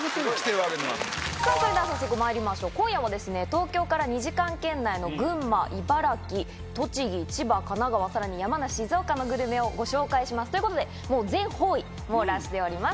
それでは早速まいりましょう今夜は東京から２時間圏内の群馬茨城栃木千葉神奈川さらに山梨静岡のグルメをご紹介します。ということで全方位網羅しております。